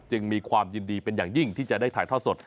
มีความยินดีเป็นอย่างยิ่งที่จะได้ถ่ายทอดสด